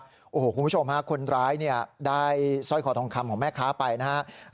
คุณผู้ชมฮะคนร้ายได้สร้อยคอทองคำของแม่ค้าไปนะครับ